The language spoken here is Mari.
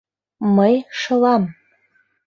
Мый шылам!